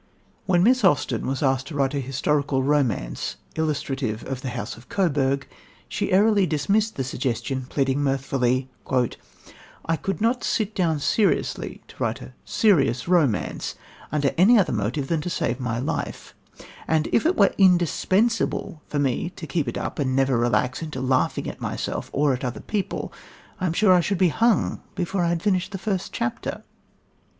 When Miss Austen was asked to write a historical romance "illustrative of the house of Coburg," she airily dismissed the suggestion, pleading mirthfully: "I could not sit down seriously to write a serious romance under any other motive than to save my life, and if it were indispensable for me to keep it up and never relax into laughing at myself or at other people I am sure I should be hung before I had finished the first chapter."